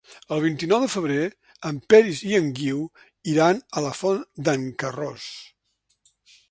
El vint-i-nou de febrer en Peris i en Guiu aniran a la Font d'en Carròs.